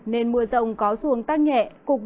nên mưa rông có xuống tăng nhẹ